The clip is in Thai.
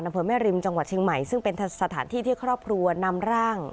อำเภอแม่ริมจังหวัดเชียงใหม่ซึ่งเป็นสถานที่ที่ครอบครัวนำร่าง